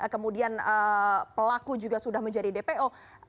kemudian pelaku juga sudah menjadi dpo